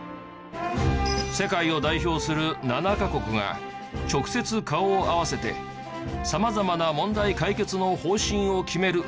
世界を代表する７カ国が直接顔を合わせて様々な問題解決の方針を決める